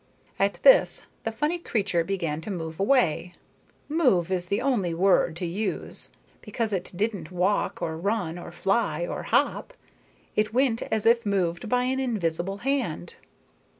At this the funny creature began to move away. "Move" is the only word to use, because it didn't walk, or run, or fly, or hop. It went as if shoved by an invisible hand.